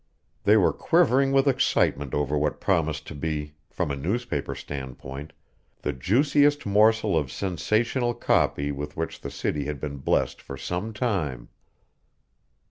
They were quivering with excitement over what promised to be, from a newspaper standpoint, the juiciest morsel of sensational copy with which the city had been blessed for some time.